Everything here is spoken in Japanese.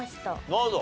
なるほど。